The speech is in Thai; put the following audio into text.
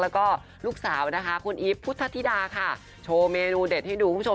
แล้วก็ลูกสาวนะคะคุณอีฟพุทธธิดาค่ะโชว์เมนูเด็ดให้ดูคุณผู้ชม